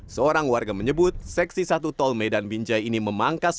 seorang warga menyebut seksi satu tol medan binjai ini memangkas